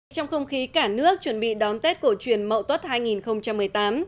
trong không khí cả nước chuẩn bị đón tết cổ truyền mậu tuất hai nghìn một mươi tám